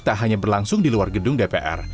tak hanya berlangsung di luar gedung dpr